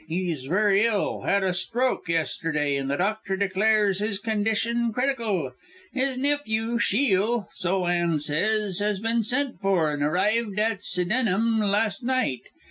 He's very ill had a stroke yesterday, and the doctor declares his condition critical. His nephew, Shiel, so Anne says, has been sent for, and arrived at Sydenham last night!